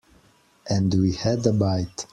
And we had a bite.